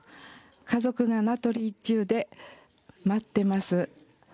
家族が名取一中で待ってます。